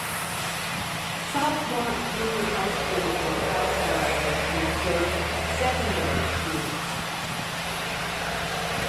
Southmont Junior High School and Southmont High School serve secondary students.